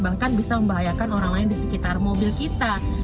bahkan bisa membahayakan orang lain di sekitar mobil kita